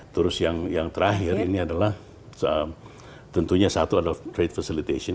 terus yang terakhir ini adalah tentunya satu adalah trade facilitation